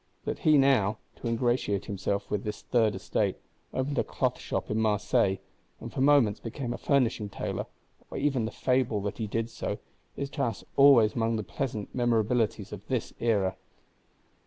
That he now, to ingratiate himself with this Third Estate, "opened a cloth shop in Marseilles," and for moments became a furnishing tailor, or even the fable that he did so, is to us always among the pleasant memorabilities of this era.